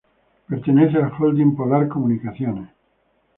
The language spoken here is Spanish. Pertenece al holding Polar Comunicaciones.